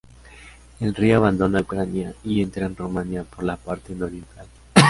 El río abandona Ucrania y entra en Rumania por la parte nororiental.